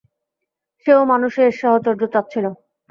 সেও মানুষের সাহচর্য চাচ্ছিল।